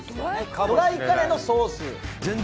ドライカレーのソース